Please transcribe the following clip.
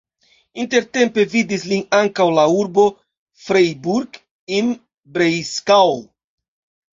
Intertempe vidis lin ankaŭ la urbo Freiburg im Breisgau.